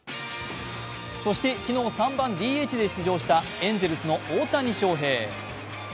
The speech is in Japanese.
そして昨日、３番・ＤＨで出場したエンゼルスの大谷翔平。